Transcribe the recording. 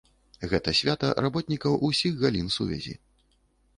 Гэта свята работнікаў усіх галін сувязі.